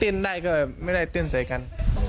เตือนได้ก็ไม่ได้ตื่นใส่กัน